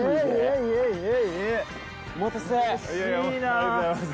ありがとうございます。